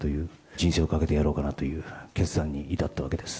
人生を懸けてやろうかなという決断に至ったわけです。